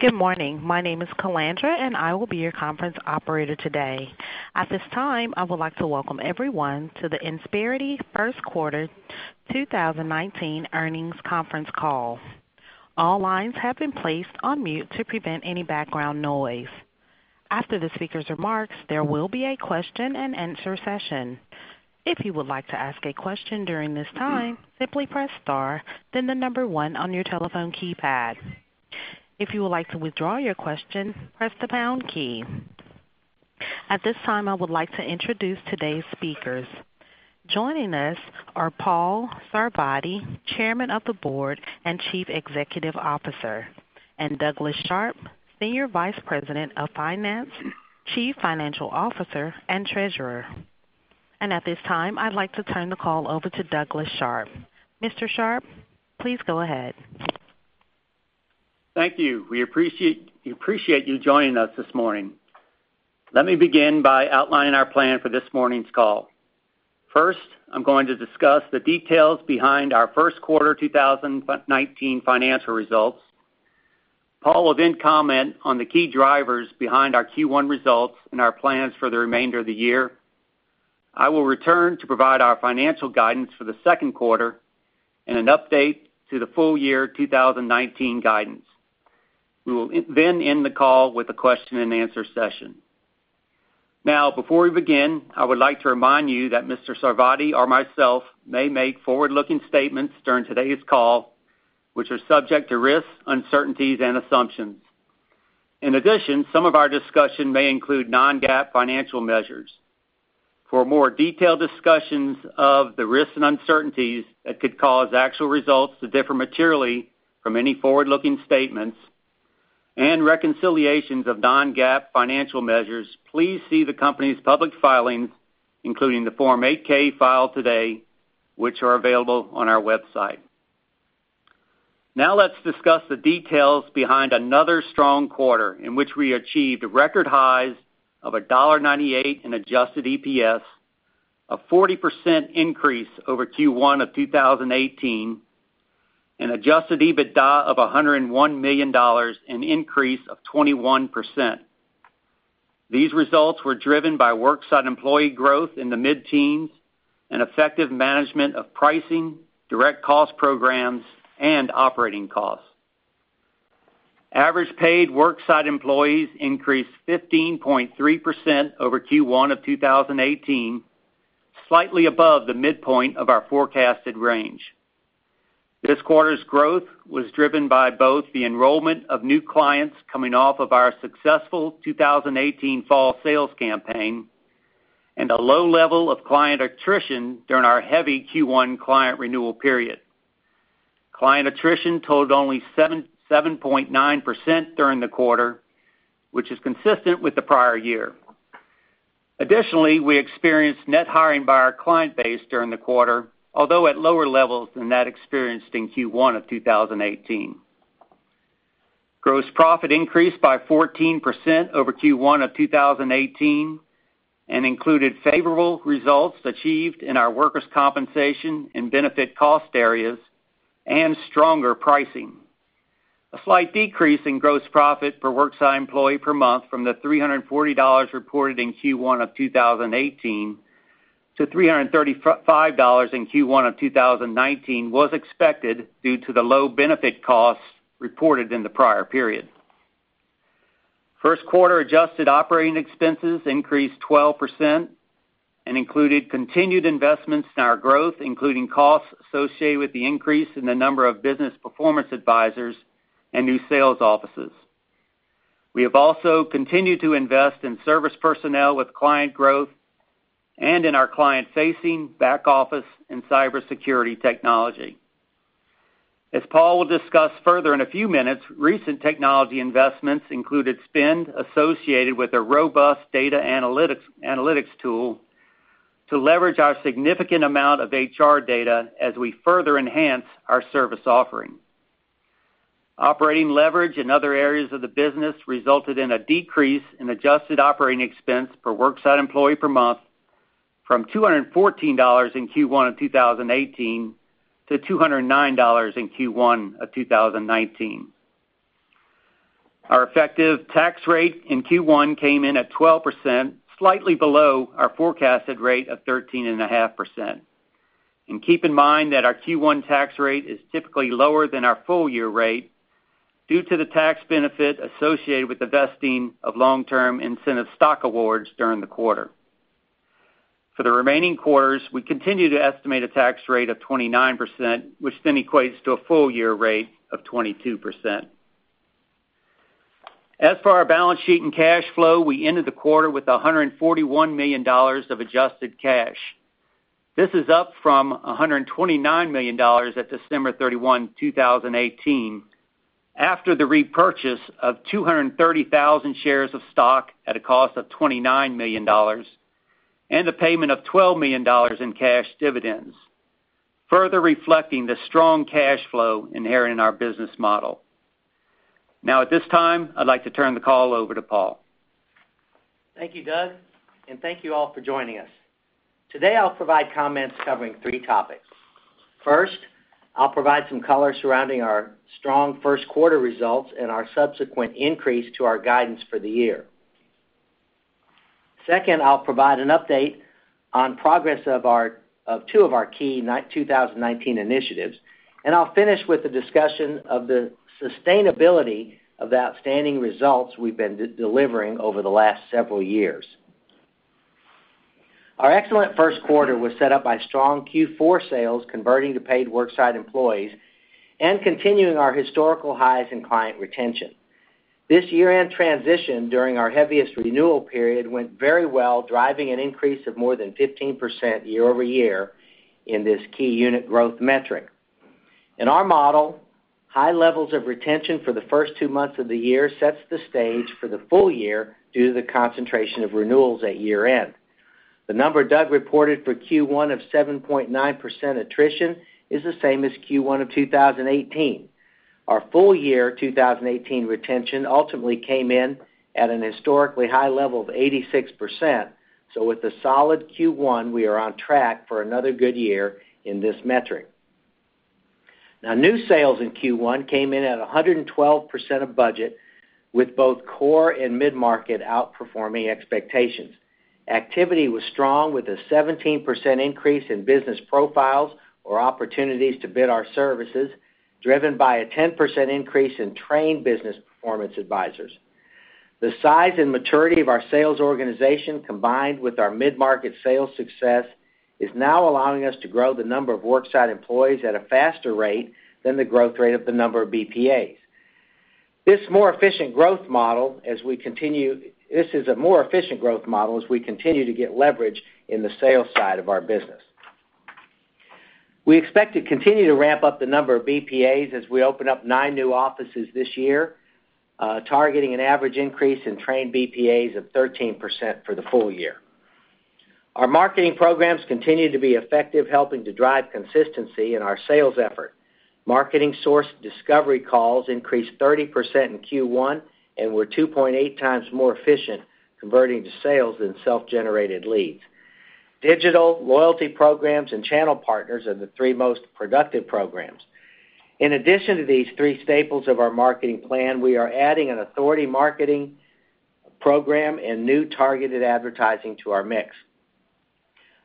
Good morning. My name is Calandra, and I will be your conference operator today. At this time, I would like to welcome everyone to the Insperity first quarter 2019 earnings conference call. All lines have been placed on mute to prevent any background noise. After the speaker's remarks, there will be a question and answer session. If you would like to ask a question during this time, simply press star, then the number 1 on your telephone keypad. If you would like to withdraw your question, press the pound key. At this time, I would like to introduce today's speakers. Joining us are Paul Sarvadi, Chairman of the Board and Chief Executive Officer, and Douglas Sharp, Senior Vice President of Finance, Chief Financial Officer, and Treasurer. At this time, I'd like to turn the call over to Douglas Sharp. Mr. Sharp, please go ahead. Thank you. We appreciate you joining us this morning. Let me begin by outlining our plan for this morning's call. First, I'm going to discuss the details behind our first quarter 2019 financial results. Paul will comment on the key drivers behind our Q1 results and our plans for the remainder of the year. I will return to provide our financial guidance for the second quarter and an update to the full year 2019 guidance. We will end the call with a question and answer session. Before we begin, I would like to remind you that Mr. Sarvadi or myself may make forward-looking statements during today's call, which are subject to risks, uncertainties, and assumptions. In addition, some of our discussion may include non-GAAP financial measures. For more detailed discussions of the risks and uncertainties that could cause actual results to differ materially from any forward-looking statements and reconciliations of non-GAAP financial measures, please see the company's public filings, including the Form 8-K filed today, which are available on our website. Let's discuss the details behind another strong quarter in which we achieved record highs of $1.98 in adjusted EPS, a 40% increase over Q1 of 2018, and adjusted EBITDA of $101 million, an increase of 21%. These results were driven by worksite employee growth in the mid-teens and effective management of pricing, direct cost programs, and operating costs. Average paid worksite employees increased 15.3% over Q1 of 2018, slightly above the midpoint of our forecasted range. This quarter's growth was driven by both the enrollment of new clients coming off of our successful 2018 fall sales campaign and a low level of client attrition during our heavy Q1 client renewal period. Client attrition totaled only 7.9% during the quarter, which is consistent with the prior year. Additionally, we experienced net hiring by our client base during the quarter, although at lower levels than that experienced in Q1 of 2018. Gross profit increased by 14% over Q1 of 2018 and included favorable results achieved in our workers' compensation and benefit cost areas and stronger pricing. A slight decrease in gross profit per worksite employee per month from the $340 reported in Q1 of 2018 to $335 in Q1 of 2019 was expected due to the low benefit costs reported in the prior period. First quarter adjusted operating expenses increased 12% and included continued investments in our growth, including costs associated with the increase in the number of business performance advisors and new sales offices. We have also continued to invest in service personnel with client growth and in our client-facing back office and cybersecurity technology. As Paul will discuss further in a few minutes, recent technology investments included spend associated with a robust data analytics tool to leverage our significant amount of HR data as we further enhance our service offering. Operating leverage in other areas of the business resulted in a decrease in adjusted operating expense per worksite employee per month from $214 in Q1 of 2018 to $209 in Q1 of 2019. Our effective tax rate in Q1 came in at 12%, slightly below our forecasted rate of 13.5%. Keep in mind that our Q1 tax rate is typically lower than our full-year rate due to the tax benefit associated with the vesting of long-term incentive stock awards during the quarter. For the remaining quarters, we continue to estimate a tax rate of 29%, which equates to a full-year rate of 22%. As for our balance sheet and cash flow, we ended the quarter with $141 million of adjusted cash. This is up from $129 million at December 31, 2018 after the repurchase of 230,000 shares of stock at a cost of $29 million and the payment of $12 million in cash dividends, further reflecting the strong cash flow inherent in our business model. At this time, I'd like to turn the call over to Paul. Thank you, Doug, and thank you all for joining us. Today, I'll provide comments covering three topics. First, I'll provide some color surrounding our strong first quarter results and our subsequent increase to our guidance for the year. Second, I'll provide an update on progress of two of our key 2019 initiatives. I'll finish with a discussion of the sustainability of the outstanding results we've been delivering over the last several years. Our excellent first quarter was set up by strong Q4 sales converting to paid worksite employees and continuing our historical highs in client retention. This year-end transition during our heaviest renewal period went very well, driving an increase of more than 15% year-over-year in this key unit growth metric. In our model, high levels of retention for the first two months of the year sets the stage for the full year due to the concentration of renewals at year-end. The number Doug reported for Q1 of 7.9% attrition is the same as Q1 of 2018. Our full year 2018 retention ultimately came in at an historically high level of 86%. With a solid Q1, we are on track for another good year in this metric. New sales in Q1 came in at 112% of budget, with both core and mid-market outperforming expectations. Activity was strong with a 17% increase in business profiles or opportunities to bid our services, driven by a 10% increase in trained business performance advisors. The size and maturity of our sales organization, combined with our mid-market sales success, is now allowing us to grow the number of Worksite Employees at a faster rate than the growth rate of the number of BPAs. This is a more efficient growth model as we continue to get leverage in the sales side of our business. We expect to continue to ramp up the number of BPAs as we open up nine new offices this year, targeting an average increase in trained BPAs of 13% for the full year. Our marketing programs continue to be effective, helping to drive consistency in our sales effort. Marketing source discovery calls increased 30% in Q1 and were 2.8 times more efficient converting to sales than self-generated leads. Digital loyalty programs and channel partners are the three most productive programs. In addition to these three staples of our marketing plan, we are adding an authority marketing program and new targeted advertising to our mix.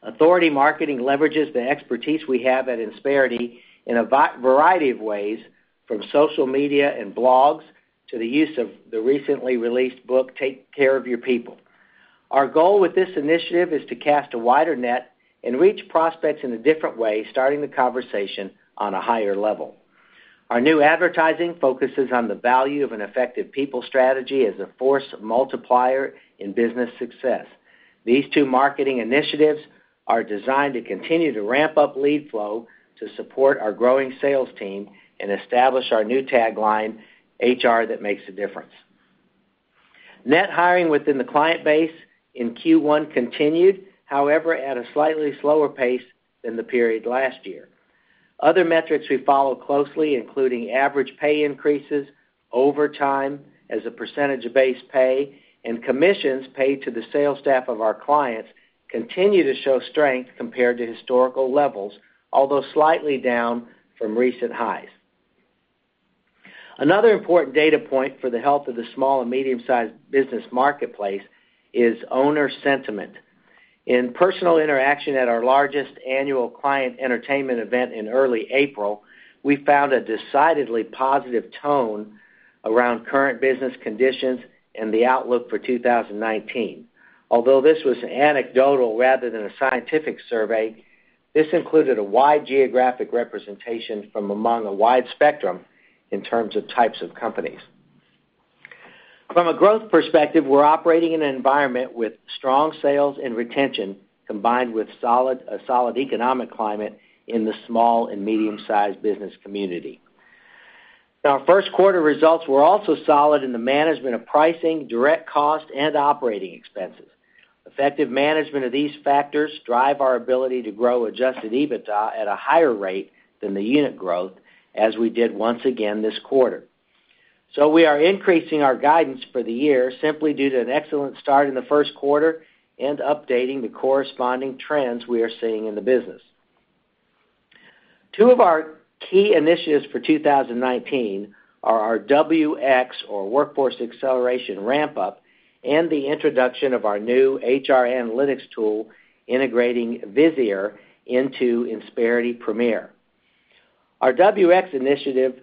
Authority marketing leverages the expertise we have at Insperity in a variety of ways, from social media and blogs to the use of the recently released book, "Take Care of Your People." Our goal with this initiative is to cast a wider net and reach prospects in a different way, starting the conversation on a higher level. Our new advertising focuses on the value of an effective people strategy as a force multiplier in business success. These two marketing initiatives are designed to continue to ramp up lead flow to support our growing sales team and establish our new tagline, HR that makes a difference. Net hiring within the client base in Q1 continued, however, at a slightly slower pace than the period last year. Other metrics we follow closely, including average pay increases, overtime as a percentage of base pay, and commissions paid to the sales staff of our clients, continue to show strength compared to historical levels, although slightly down from recent highs. Another important data point for the health of the small and medium-sized business marketplace is owner sentiment. In personal interaction at our largest annual client entertainment event in early April, we found a decidedly positive tone around current business conditions and the outlook for 2019. Although this was anecdotal rather than a scientific survey, this included a wide geographic representation from among a wide spectrum in terms of types of companies. From a growth perspective, we're operating in an environment with strong sales and retention, combined with a solid economic climate in the small and medium-sized business community. Our first quarter results were also solid in the management of pricing, direct cost, and operating expenses. Effective management of these factors drive our ability to grow adjusted EBITDA at a higher rate than the unit growth, as we did once again this quarter. We are increasing our guidance for the year simply due to an excellent start in the first quarter and updating the corresponding trends we are seeing in the business. Two of our key initiatives for 2019 are our WX, or Workforce Acceleration ramp-up, and the introduction of our new HR analytics tool, integrating Visier into Insperity Premier. Our WX initiative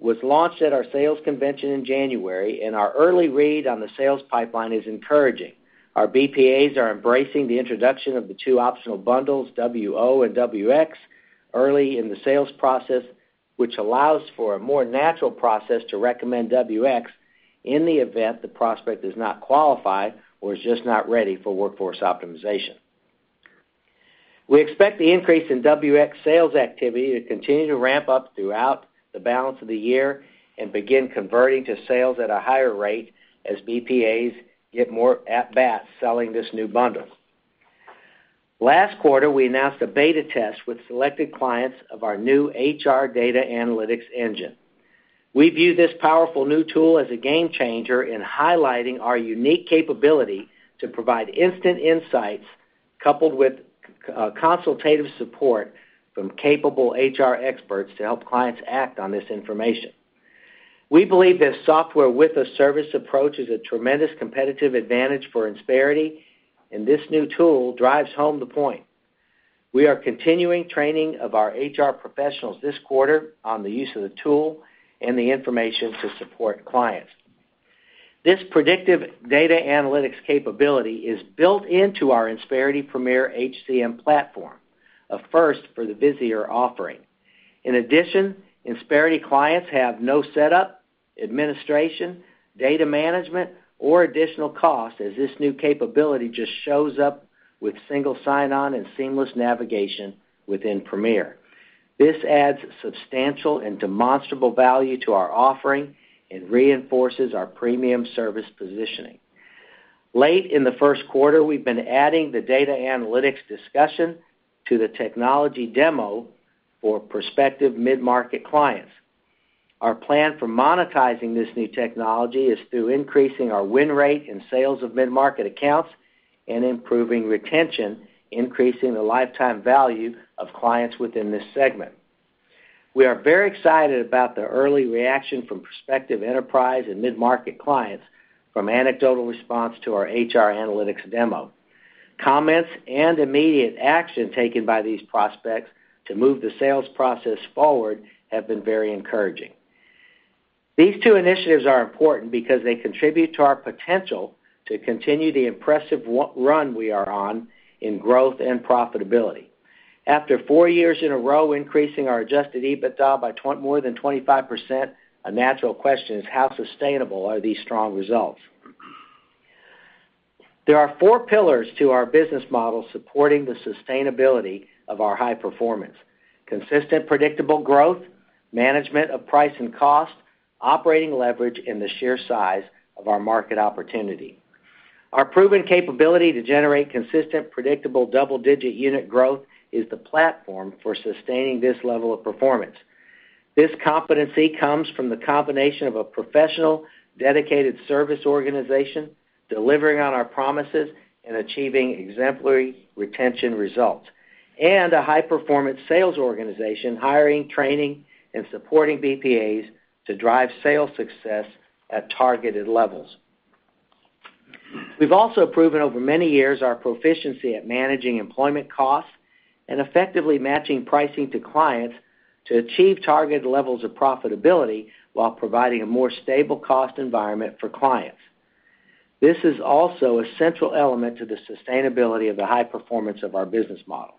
was launched at our sales convention in January, and our early read on the sales pipeline is encouraging. Our BPAs are embracing the introduction of the two optional bundles, WO and WX, early in the sales process, which allows for a more natural process to recommend WX in the event the prospect does not qualify or is just not ready for Workforce Optimization. We expect the increase in WX sales activity to continue to ramp up throughout the balance of the year and begin converting to sales at a higher rate as BPAs get more at-bats selling this new bundle. Last quarter, we announced a beta test with selected clients of our new HR data analytics engine. We view this powerful new tool as a game changer in highlighting our unique capability to provide instant insights, coupled with consultative support from capable HR experts to help clients act on this information. We believe this software with a service approach is a tremendous competitive advantage for Insperity, and this new tool drives home the point. We are continuing training of our HR professionals this quarter on the use of the tool and the information to support clients. This predictive data analytics capability is built into our Insperity Premier HCM platform, a first for the Visier offering. In addition, Insperity clients have no setup, administration, data management, or additional cost as this new capability just shows up with single sign-on and seamless navigation within Premier. This adds substantial and demonstrable value to our offering and reinforces our premium service positioning. Late in the first quarter, we've been adding the data analytics discussion to the technology demo for prospective mid-market clients. Our plan for monetizing this new technology is through increasing our win rate and sales of mid-market accounts and improving retention, increasing the lifetime value of clients within this segment. We are very excited about the early reaction from prospective enterprise and mid-market clients from anecdotal response to our HR analytics demo. Comments and immediate action taken by these prospects to move the sales process forward have been very encouraging. These two initiatives are important because they contribute to our potential to continue the impressive run we are on in growth and profitability. After 4 years in a row, increasing our adjusted EBITDA by more than 25%, a natural question is how sustainable are these strong results? There are 4 pillars to our business model supporting the sustainability of our high performance. Consistent, predictable growth, management of price and cost, operating leverage, and the sheer size of our market opportunity. Our proven capability to generate consistent, predictable double-digit unit growth is the platform for sustaining this level of performance. This competency comes from the combination of a professional, dedicated service organization delivering on our promises and achieving exemplary retention results, and a high-performance sales organization hiring, training, and supporting BPAs to drive sales success at targeted levels. We've also proven over many years our proficiency at managing employment costs and effectively matching pricing to clients to achieve targeted levels of profitability while providing a more stable cost environment for clients. This is also a central element to the sustainability of the high performance of our business model.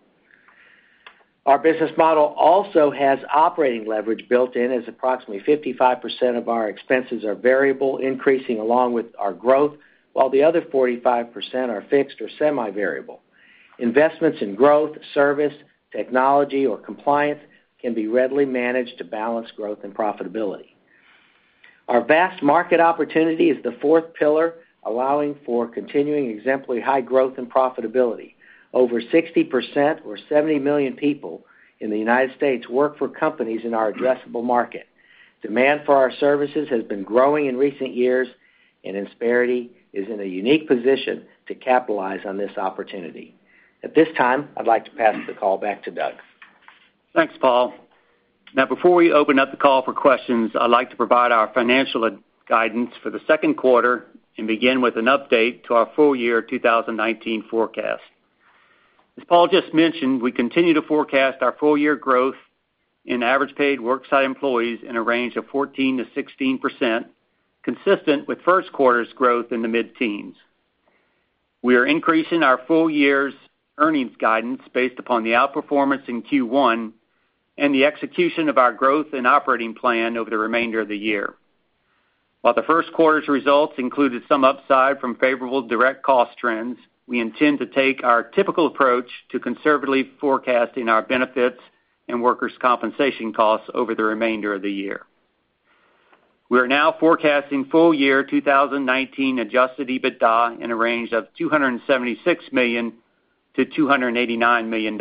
Our business model also has operating leverage built in as approximately 55% of our expenses are variable, increasing along with our growth, while the other 45% are fixed or semi-variable. Investments in growth, service, technology, or compliance can be readily managed to balance growth and profitability. Our vast market opportunity is the fourth pillar, allowing for continuing exemplary high growth and profitability. Over 60% or 70 million people in the U.S. work for companies in our addressable market. Demand for our services has been growing in recent years, Insperity is in a unique position to capitalize on this opportunity. At this time, I'd like to pass the call back to Doug. Thanks, Paul. Before we open up the call for questions, I'd like to provide our financial guidance for the second quarter and begin with an update to our full year 2019 forecast. As Paul just mentioned, we continue to forecast our full year growth in average paid worksite employees in a range of 14%-16%, consistent with first quarter's growth in the mid-teens. We are increasing our full year's earnings guidance based upon the outperformance in Q1 and the execution of our growth and operating plan over the remainder of the year. The first quarter's results included some upside from favorable direct cost trends, we intend to take our typical approach to conservatively forecasting our benefits and workers' compensation costs over the remainder of the year. We are forecasting full year 2019 adjusted EBITDA in a range of $276 million-$289 million,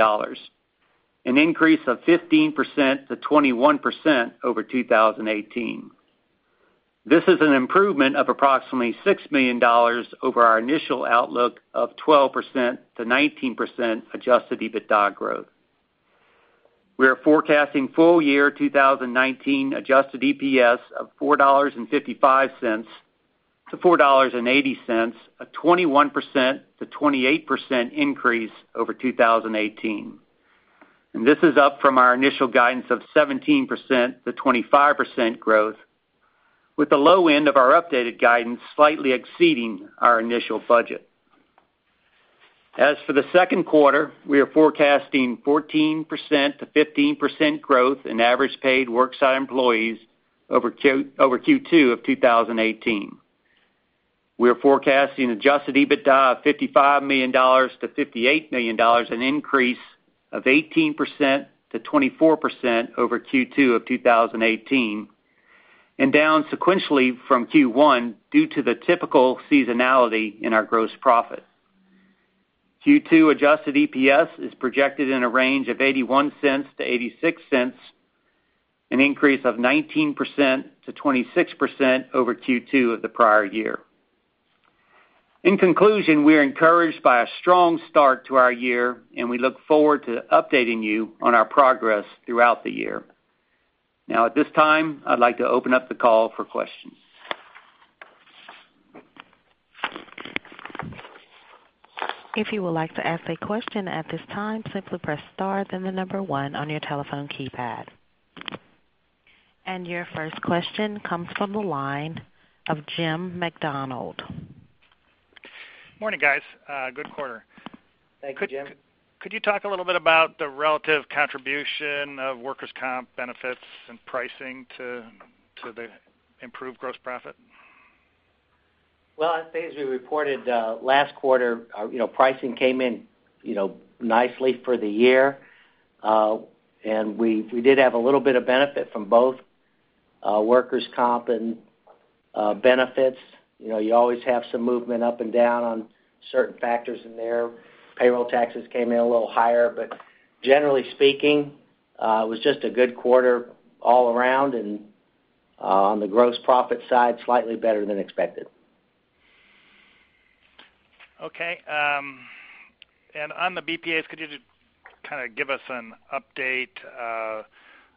an increase of 15%-21% over 2018. This is an improvement of approximately $6 million over our initial outlook of 12%-19% adjusted EBITDA growth. We are forecasting full year 2019 adjusted EPS of $4.55-$4.80, a 21%-28% increase over 2018. This is up from our initial guidance of 17%-25% growth with the low end of our updated guidance slightly exceeding our initial budget. As for the second quarter, we are forecasting 14%-15% growth in average paid worksite employees over Q2 of 2018. We are forecasting adjusted EBITDA of $55 million-$58 million, an increase of 18%-24% over Q2 of 2018. Down sequentially from Q1 due to the typical seasonality in our gross profit. Q2 adjusted EPS is projected in a range of $0.81-$0.86, an increase of 19%-26% over Q2 of the prior year. In conclusion, we are encouraged by a strong start to our year, we look forward to updating you on our progress throughout the year. At this time, I'd like to open up the call for questions. If you would like to ask a question at this time, simply press star, then the number 1 on your telephone keypad. Your first question comes from the line of Jim McDonald. Morning, guys. Good quarter. Thank you, Jim. Could you talk a little bit about the relative contribution of workers' comp benefits and pricing to the improved gross profit? Well, I'd say, as we reported last quarter, pricing came in nicely for the year. We did have a little bit of benefit from both workers' comp and benefits. You always have some movement up and down on certain factors in there. Payroll taxes came in a little higher, generally speaking, it was just a good quarter all around, and on the gross profit side, slightly better than expected. Okay. On the BPAs, could you just give us an update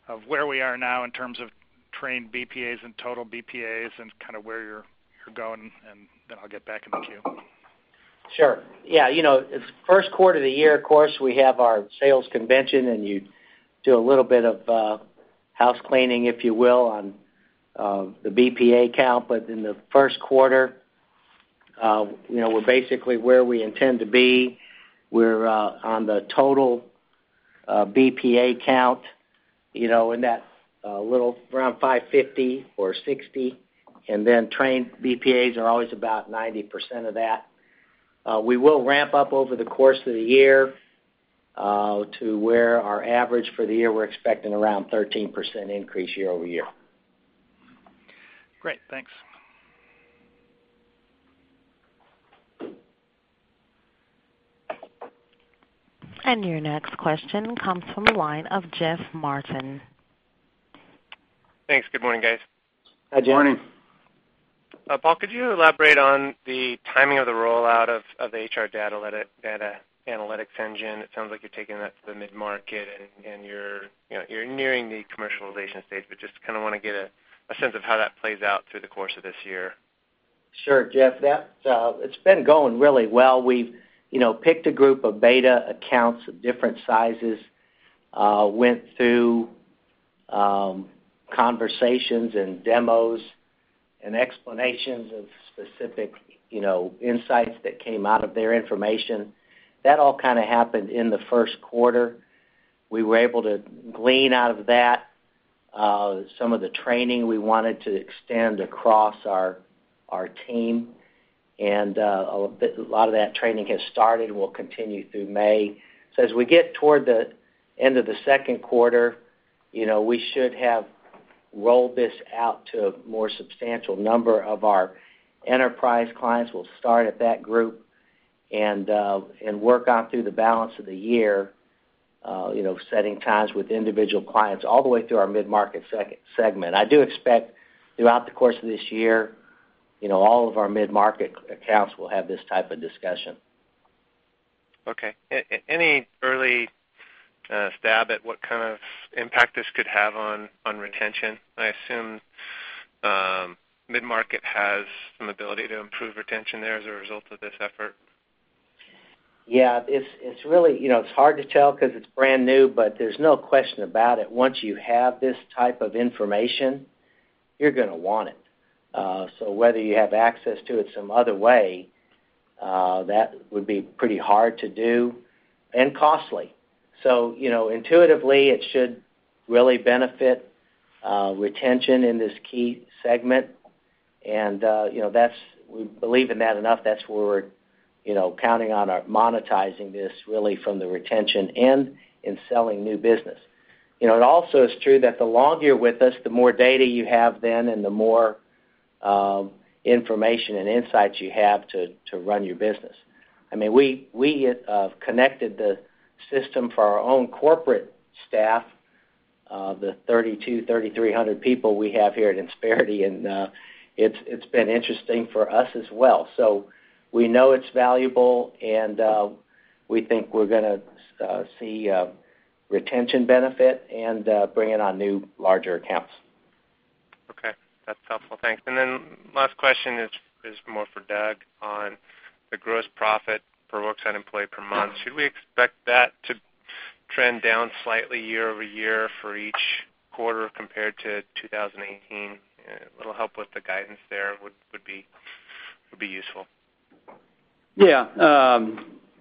of where we are now in terms of trained BPAs and total BPAs, and where you're going? Then I'll get back in the queue. Sure. Yeah. It's first quarter of the year. Of course, we have our sales convention, you do a little bit of house cleaning, if you will, on the BPA count. In the first quarter, we're basically where we intend to be. We're on the total BPA count, in that little around 550 or 60. Trained BPAs are always about 90% of that. We will ramp up over the course of the year, to where our average for the year, we're expecting around 13% increase year-over-year. Great. Thanks. Your next question comes from the line of Jeff Martin. Thanks. Good morning, guys. Hi, Jeff. Morning. Paul, could you elaborate on the timing of the rollout of HR data analytics engine? It sounds like you're taking that to the mid-market and you're nearing the commercialization stage, but just want to get a sense of how that plays out through the course of this year. Sure, Jeff. It's been going really well. We've picked a group of beta accounts of different sizes, went through conversations and demos and explanations of specific insights that came out of their information. That all happened in the first quarter. We were able to glean out of that some of the training we wanted to extend across our team, and a lot of that training has started, will continue through May. As we get toward the end of the second quarter, we should have rolled this out to a more substantial number of our enterprise clients. We'll start at that group and work on through the balance of the year, setting times with individual clients all the way through our mid-market segment. I do expect throughout the course of this year, all of our mid-market accounts will have this type of discussion. Okay. Any early stab at what kind of impact this could have on retention? I assume mid-market has some ability to improve retention there as a result of this effort. Yeah, it's hard to tell because it's brand new, but there's no question about it. Once you have this type of information, you're going to want it. Whether you have access to it some other way, that would be pretty hard to do and costly. Intuitively, it should really benefit retention in this key segment. We believe in that enough. That's where we're counting on our monetizing this really from the retention and in selling new business. It also is true that the longer you're with us, the more data you have then, and the more information and insights you have to run your business. We connected the system for our own corporate staff, the 3,300 people we have here at Insperity, and it's been interesting for us as well. We know it's valuable, and we think we're going to see retention benefit and bring in our new larger accounts. Okay. That's helpful. Thanks. Last question is more for Doug on the gross profit per worksite employee per month. Should we expect that to trend down slightly year-over-year for each quarter compared to 2018? A little help with the guidance there would be useful.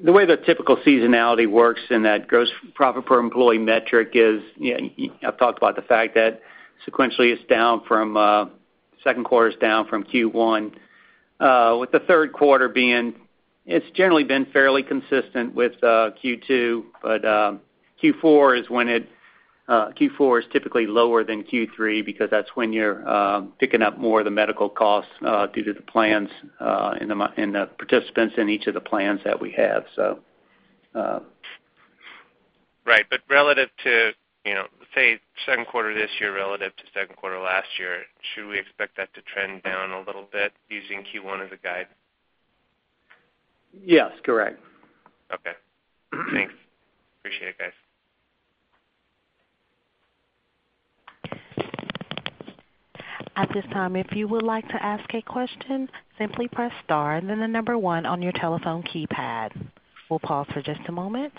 The way the typical seasonality works in that gross profit per employee metric is, I've talked about the fact that sequentially it's down from Q1, with the third quarter being, it's generally been fairly consistent with Q2. Q4 is typically lower than Q3 because that's when you're picking up more of the medical costs due to the plans and the participants in each of the plans that we have. Say second quarter this year relative to second quarter last year, should we expect that to trend down a little bit using Q1 as a guide? Yes, correct. Okay. Thanks. Appreciate it, guys. At this time, if you would like to ask a question, simply press star and then the number 1 on your telephone keypad. We'll pause for just a moment.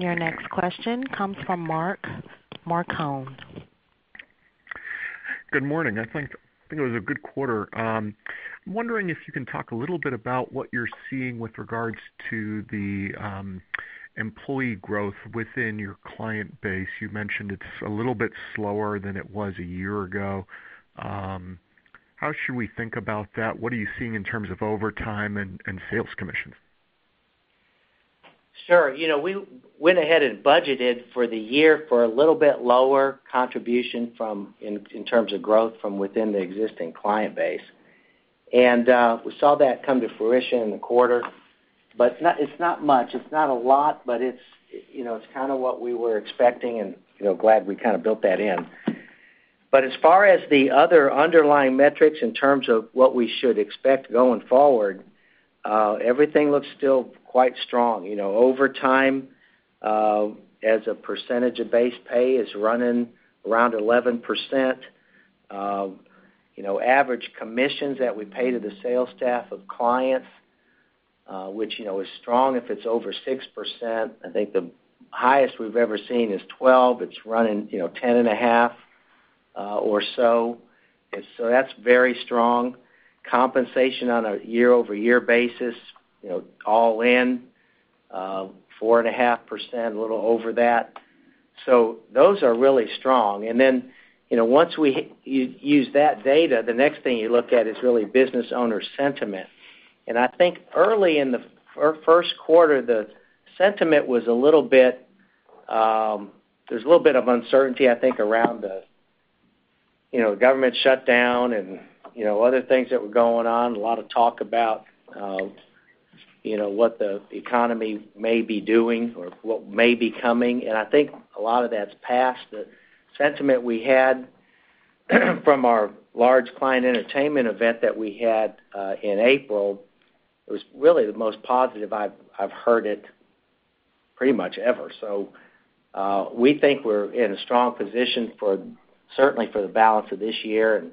Your next question comes from Mark Marcon. Good morning. I think it was a good quarter. I'm wondering if you can talk a little bit about what you're seeing with regards to the employee growth within your client base. You mentioned it's a little bit slower than it was a year ago. How should we think about that? What are you seeing in terms of overtime and sales commission? Sure. We went ahead and budgeted for the year for a little bit lower contribution in terms of growth from within the existing client base. We saw that come to fruition in the quarter, it's not much. It's not a lot, it's kind of what we were expecting and glad we kind of built that in. As far as the other underlying metrics in terms of what we should expect going forward, everything looks still quite strong. Overtime, as a percentage of base pay, is running around 11%. Average commissions that we pay to the sales staff of clients, which is strong if it's over 6%. I think the highest we've ever seen is 12. It's running 10.5% or so. That's very strong. Compensation on a year-over-year basis, all in, 4.5%, a little over that. Those are really strong. Once we use that data, the next thing you look at is really business owner sentiment. I think early in the first quarter, the sentiment was a little bit of uncertainty, I think, around the government shutdown and other things that were going on. A lot of talk about what the economy may be doing or what may be coming. I think a lot of that's past. The sentiment we had from our large client entertainment event that we had in April was really the most positive I've heard it pretty much ever. We think we're in a strong position certainly for the balance of this year and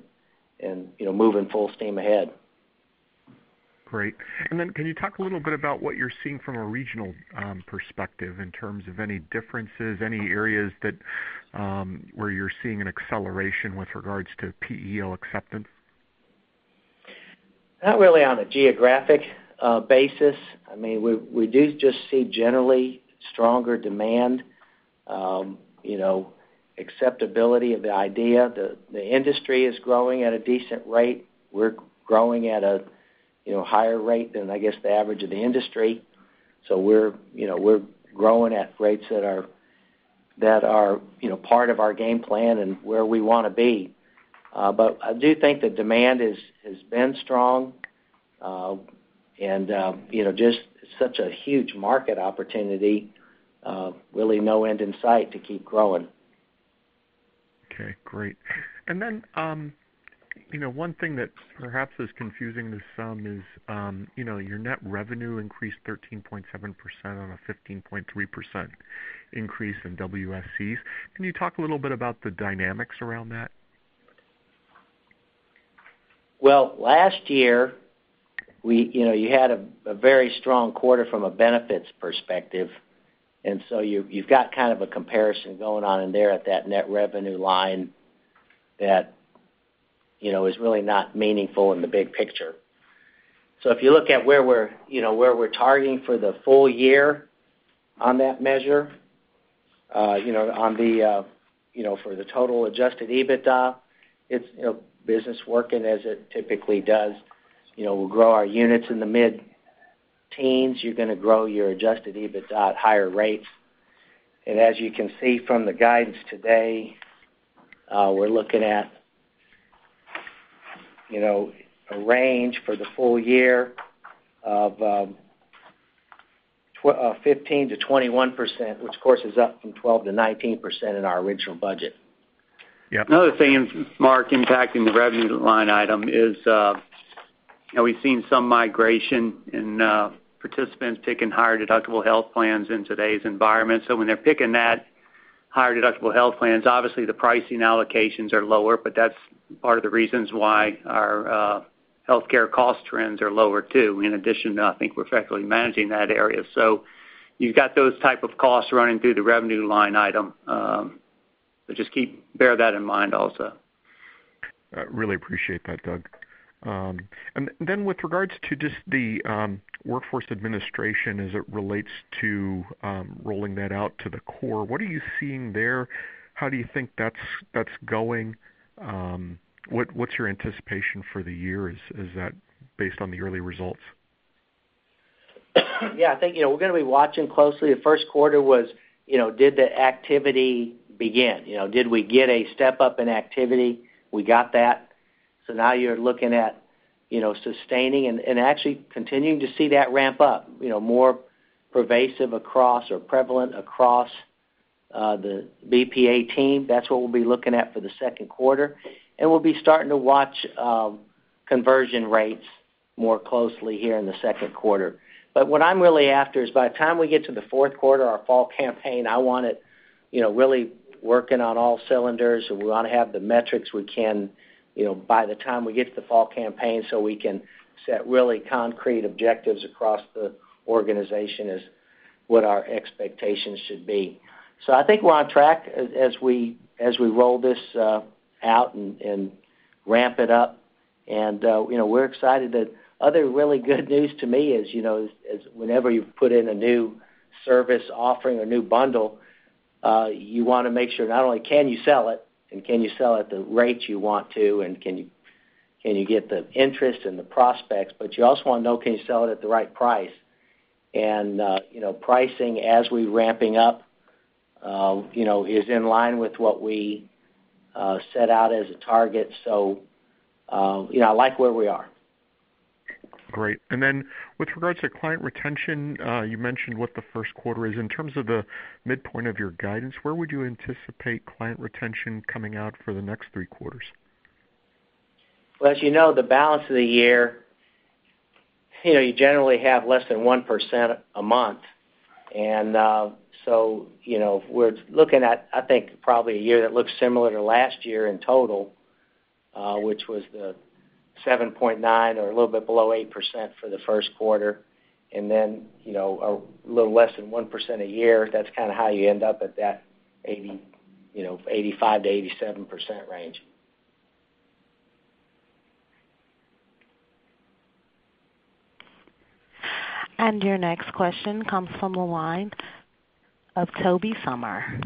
moving full steam ahead. Great. Can you talk a little bit about what you're seeing from a regional perspective in terms of any differences, any areas where you're seeing an acceleration with regards to PEO acceptance? Not really on a geographic basis. We do just see generally stronger demand, acceptability of the idea. The industry is growing at a decent rate. We're growing at a higher rate than, I guess, the average of the industry. We're growing at rates that are part of our game plan and where we want to be. I do think the demand has been strong, and just such a huge market opportunity, really no end in sight to keep growing. Okay, great. One thing that perhaps is confusing to some is your net revenue increased 13.7% on a 15.3% increase in WSEs. Can you talk a little bit about the dynamics around that? Last year, you had a very strong quarter from a benefits perspective, you've got kind of a comparison going on in there at that net revenue line that is really not meaningful in the big picture. If you look at where we're targeting for the full year on that measure, for the total adjusted EBITDA, it's business working as it typically does. We'll grow our units in the mid-teens. You're going to grow your adjusted EBITDA at higher rates. As you can see from the guidance today, we're looking at a range for the full year of 15%-21%, which of course is up from 12%-19% in our original budget. Yeah. Another thing, Mark, impacting the revenue line item is, we've seen some migration in participants taking higher deductible health plans in today's environment. When they're picking that higher deductible health plans, obviously the pricing allocations are lower, but that's part of the reasons why our healthcare cost trends are lower, too. In addition, I think we're effectively managing that area. You've got those type of costs running through the revenue line item. Just bear that in mind also. Really appreciate that, Doug. With regards to just the Workforce Administration as it relates to rolling that out to the core, what are you seeing there? How do you think that's going? What's your anticipation for the year? Is that based on the early results? I think, we're going to be watching closely. The first quarter was, did the activity begin? Did we get a step up in activity? We got that. Now you're looking at sustaining and actually continuing to see that ramp up, more pervasive across or prevalent across the BPA team. That's what we'll be looking at for the second quarter. We'll be starting to watch conversion rates more closely here in the second quarter. What I'm really after is by the time we get to the fourth quarter, our fall campaign, I want it really working on all cylinders, and we want to have the metrics we can, by the time we get to the fall campaign, so we can set really concrete objectives across the organization as what our expectations should be. I think we're on track as we roll this out and ramp it up, and we're excited. The other really good news to me is, whenever you put in a new service offering or new bundle, you want to make sure not only can you sell it, and can you sell at the rates you want to, and can you get the interest and the prospects, but you also want to know, can you sell it at the right price? Pricing as we're ramping up, is in line with what we set out as a target. I like where we are. Great. With regards to client retention, you mentioned what the first quarter is. In terms of the midpoint of your guidance, where would you anticipate client retention coming out for the next three quarters? Well, as you know, the balance of the year, you generally have less than 1% a month. We're looking at, I think, probably a year that looks similar to last year in total, which was the 7.9 or a little bit below 8% for the first quarter, and then, a little less than 1% a year. That's kind of how you end up at that 85%-87% range. Your next question comes from the line of Tobey Sommer.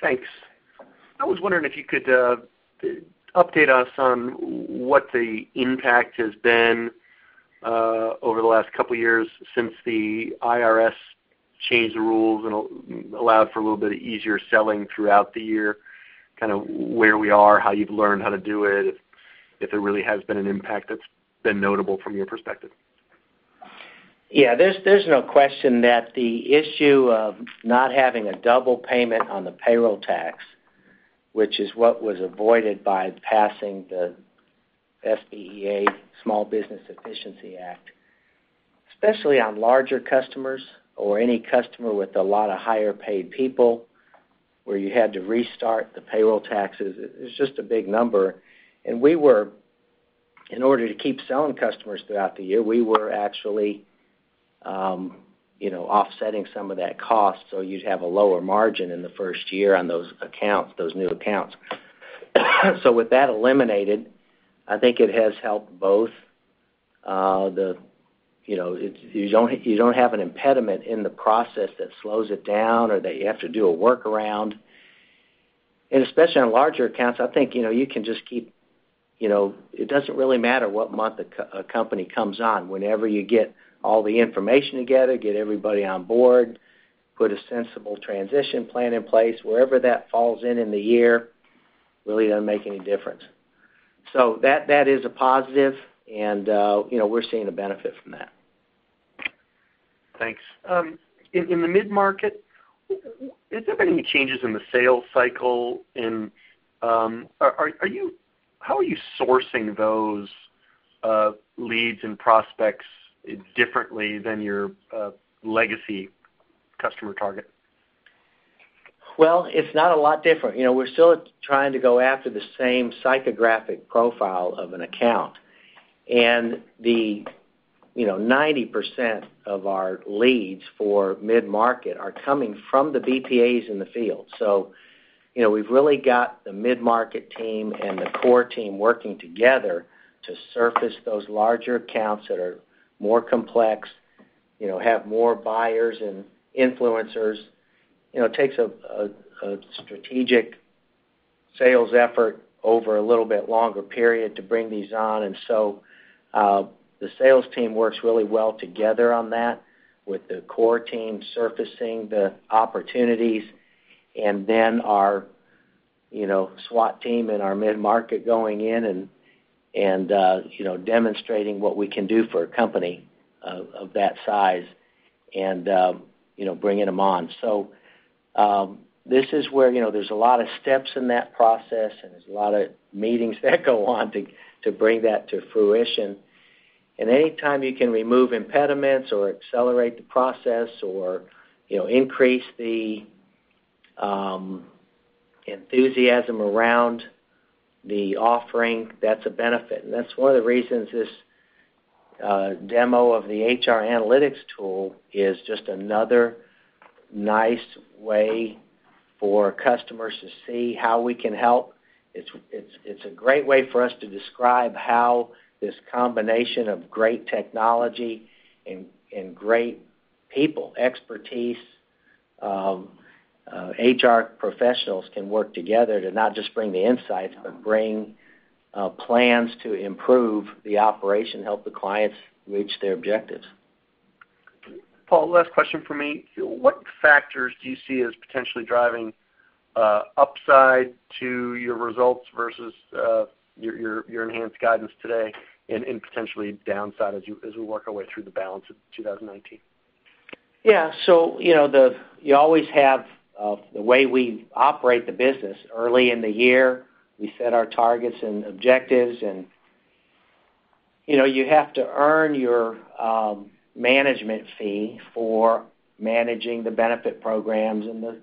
Thanks. I was wondering if you could update us on what the impact has been, over the last couple of years since the IRS changed the rules and allowed for a little bit of easier selling throughout the year, kind of where we are, how you've learned how to do it, if there really has been an impact that's been notable from your perspective. Yeah. There's no question that the issue of not having a double payment on the payroll tax, which is what was avoided by passing the SBEA, Small Business Efficiency Act, especially on larger customers or any customer with a lot of higher-paid people, where you had to restart the payroll taxes, it's just a big number, and in order to keep selling customers throughout the year, we were actually offsetting some of that cost, so you'd have a lower margin in the first year on those new accounts. With that eliminated, I think it has helped both. You don't have an impediment in the process that slows it down or that you have to do a workaround. Especially on larger accounts, I think, it doesn't really matter what month a company comes on. Whenever you get all the information together, get everybody on board, put a sensible transition plan in place, wherever that falls in in the year, really doesn't make any difference. That is a positive, and we're seeing a benefit from that. Thanks. In the mid-market, has there been any changes in the sales cycle? How are you sourcing those leads and prospects differently than your legacy customer target? It's not a lot different. The 90% of our leads for mid-market are coming from the BPAs in the field. We've really got the mid-market team and the core team working together to surface those larger accounts that are more complex, have more buyers and influencers. It takes a strategic sales effort over a little bit longer period to bring these on. The sales team works really well together on that with the core team surfacing the opportunities, then our SWAT team and our mid-market going in and demonstrating what we can do for a company of that size and bringing them on. This is where there's a lot of steps in that process, and there's a lot of meetings that go on to bring that to fruition. Anytime you can remove impediments or accelerate the process or increase the enthusiasm around the offering, that's a benefit. That's one of the reasons this. A demo of the HR analytics tool is just another nice way for customers to see how we can help. It's a great way for us to describe how this combination of great technology and great people, expertise, HR professionals can work together to not just bring the insights, but bring plans to improve the operation, help the clients reach their objectives. Paul, last question from me. What factors do you see as potentially driving upside to your results versus your enhanced guidance today and potentially downside as we work our way through the balance of 2019? You always have the way we operate the business. Early in the year, we set our targets and objectives, you have to earn your management fee for managing the benefit programs and the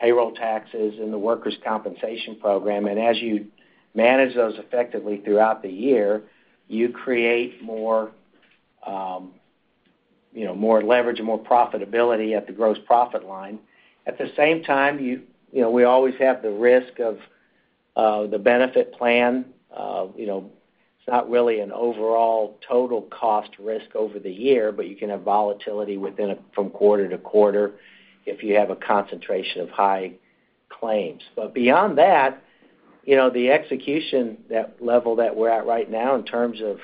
payroll taxes and the workers' compensation program. As you manage those effectively throughout the year, you create more leverage and more profitability at the gross profit line. At the same time, we always have the risk of the benefit plan. It's not really an overall total cost risk over the year, but you can have volatility from quarter to quarter if you have a concentration of high claims. Beyond that, the execution, that level that we're at right now in terms of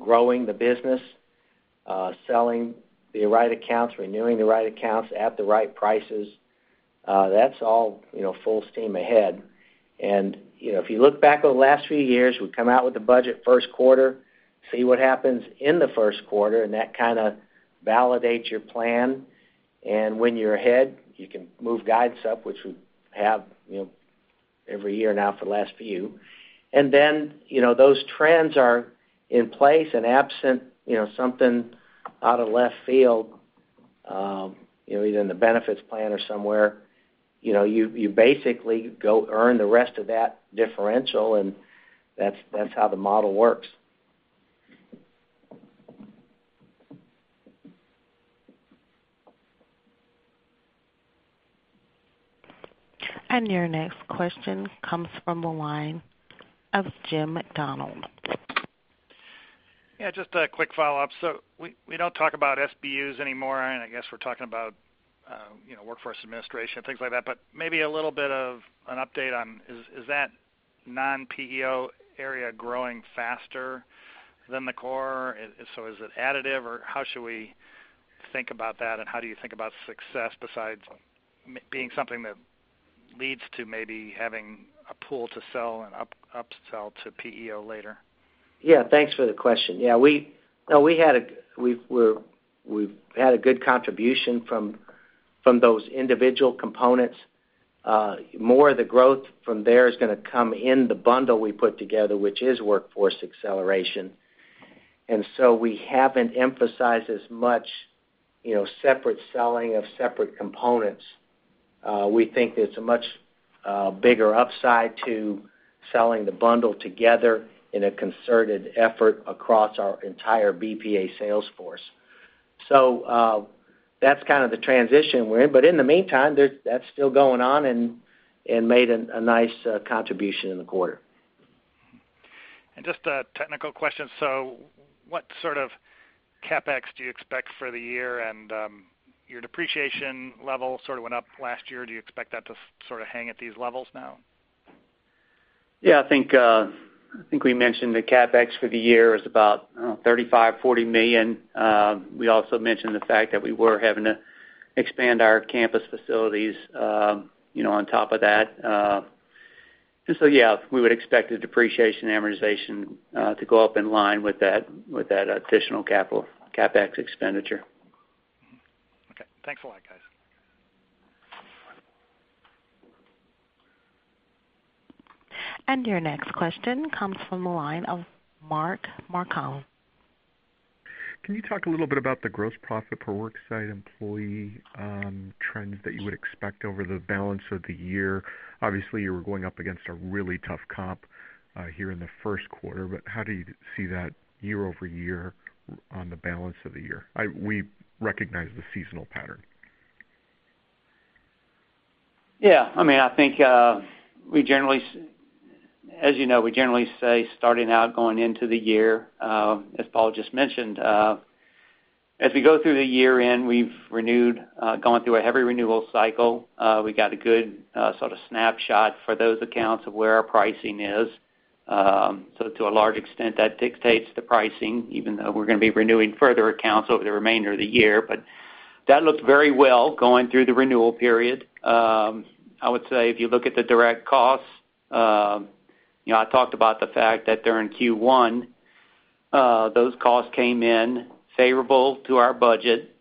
growing the business, selling the right accounts, renewing the right accounts at the right prices, that's all full steam ahead. If you look back over the last few years, we've come out with the budget first quarter, see what happens in the first quarter, and that kind of validates your plan. When you're ahead, you can move guides up, which we have every year now for the last few. Those trends are in place and absent something out of left field, either in the benefits plan or somewhere, you basically go earn the rest of that differential, and that's how the model works. Your next question comes from the line of Jim McDonald. Yeah, just a quick follow-up. We don't talk about SBUs anymore, and I guess we're talking about Workforce Administration, things like that. Maybe a little bit of an update on, is that non-PEO area growing faster than the core? Is it additive, or how should we think about that, and how do you think about success besides being something that leads to maybe having a pool to sell and upsell to PEO later? Yeah, thanks for the question. We've had a good contribution from those individual components. More of the growth from there is going to come in the bundle we put together, which is Workforce Acceleration. We haven't emphasized as much separate selling of separate components. We think there's a much bigger upside to selling the bundle together in a concerted effort across our entire BPA sales force. That's kind of the transition we're in. In the meantime, that's still going on and made a nice contribution in the quarter. Just a technical question. What sort of CapEx do you expect for the year? Your depreciation level sort of went up last year. Do you expect that to sort of hang at these levels now? Yeah, I think we mentioned the CapEx for the year is about $35 million-$40 million. We also mentioned the fact that we were having to expand our campus facilities on top of that. Yeah, we would expect the depreciation amortization to go up in line with that additional CapEx expenditure. Okay. Thanks a lot, guys. Your next question comes from the line of Mark Marcon. Can you talk a little bit about the gross profit per worksite employee trends that you would expect over the balance of the year? Obviously, you were going up against a really tough comp here in the first quarter. How do you see that year-over-year on the balance of the year? We recognize the seasonal pattern. Yeah. As you know, we generally say starting out going into the year, as Paul just mentioned, as we go through the year-end, we've gone through a heavy renewal cycle. We got a good sort of snapshot for those accounts of where our pricing is. To a large extent, that dictates the pricing, even though we're going to be renewing further accounts over the remainder of the year. That looked very well going through the renewal period. I would say if you look at the direct costs, I talked about the fact that during Q1, those costs came in favorable to our budget.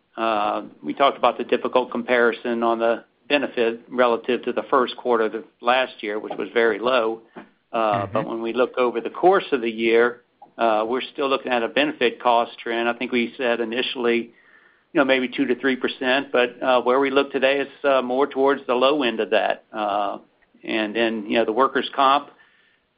We talked about the difficult comparison on the benefit relative to the first quarter of last year, which was very low. When we look over the course of the year, we're still looking at a benefit cost trend. I think we said initially, maybe 2%-3%, where we look today is more towards the low end of that. The workers' comp,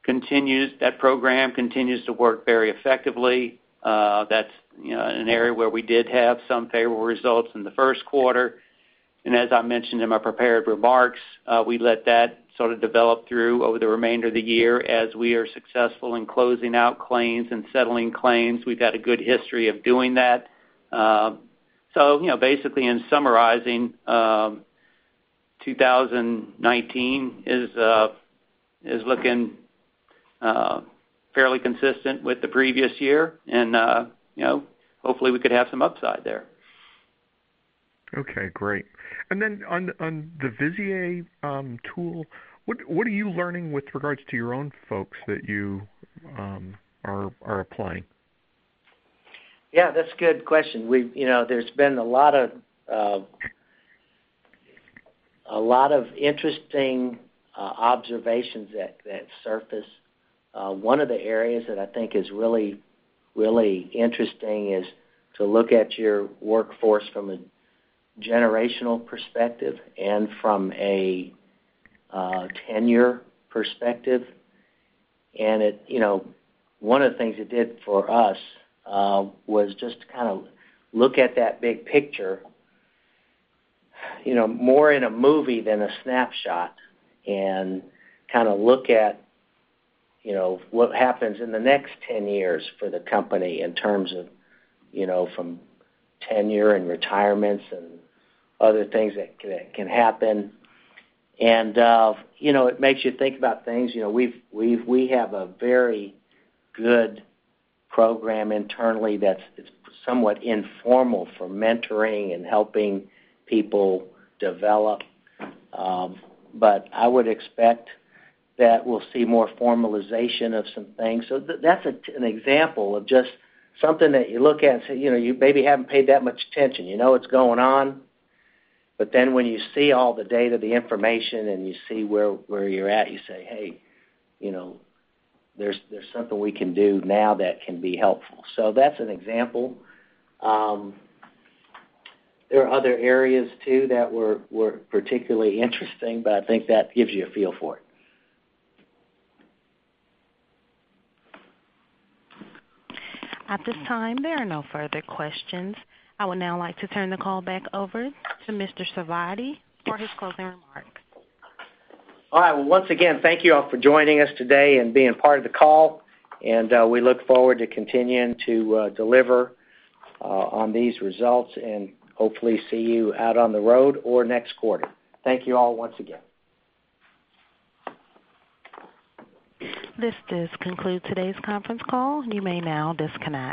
that program continues to work very effectively. That's an area where we did have some favorable results in the first quarter. As I mentioned in my prepared remarks, we let that sort of develop through over the remainder of the year as we are successful in closing out claims and settling claims. We've had a good history of doing that. Basically, in summarizing, 2019 is looking fairly consistent with the previous year, and hopefully, we could have some upside there. Okay, great. On the Visier tool, what are you learning with regards to your own folks that you are applying? Yeah, that's a good question. There's been a lot of interesting observations that surface. One of the areas that I think is really interesting is to look at your workforce from a generational perspective and from a tenure perspective. One of the things it did for us was just to kind of look at that big picture, more in a movie than a snapshot, and kind of look at what happens in the next 10 years for the company in terms of from tenure and retirements and other things that can happen. It makes you think about things. We have a very good program internally that's somewhat informal for mentoring and helping people develop. I would expect that we'll see more formalization of some things. That's an example of just something that you look at and say, you maybe haven't paid that much attention. You know it's going on. When you see all the data, the information, and you see where you're at, you say, "Hey, there's something we can do now that can be helpful." That's an example. There are other areas too that were particularly interesting, I think that gives you a feel for it. At this time, there are no further questions. I would now like to turn the call back over to Mr. Sarvadi for his closing remarks. All right. Well, once again, thank you all for joining us today and being part of the call, and we look forward to continuing to deliver on these results and hopefully see you out on the road or next quarter. Thank you all once again. This does conclude today's conference call. You may now disconnect.